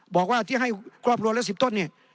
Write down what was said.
บอกว่าที่ให้ครอบครัวละ๑๐ต้นเนี่ย